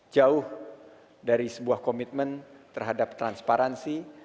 jauh dari sebuah komitmen terhadap transparansi